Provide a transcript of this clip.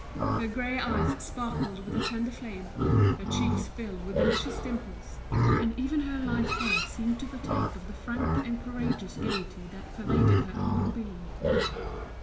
Her grey eyes sparkled with a tender flame, her cheeks filled with delicious dimples, and even her light hair seemed to partake of the frank and courageous gaiety that pervaded her whole being.